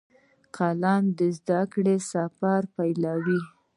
قلم د زده کړې سفر پیلوي